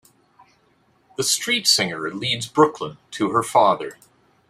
The Streetsinger leads Brooklyn to her father.